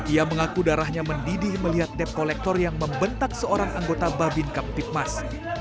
ia mengaku darahnya mendidih melihat depkolektor yang membentak seorang anggota babin kapitmas